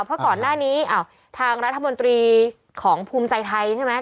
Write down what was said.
เพราะก่อนหน้านี้ทางรัฐมนตรีของภูมิใจไทยใช่ไหม